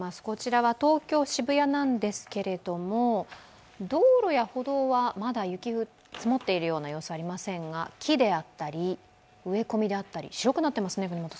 こちらは東京・渋谷なんですけれども、道路や歩道はまだ雪が積もっている様子はありまりせんが木であったり植え込みであったり、白くなっていますね。